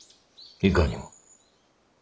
いかにも。